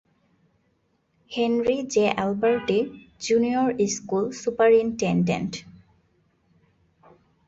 Henry J. Alberti, junior school superintendent.